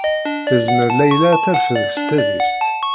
Tezmer Layla ad terfed s tadist.